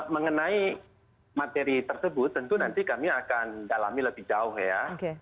mengenai materi tersebut tentu nanti kami akan dalami lebih jauh ya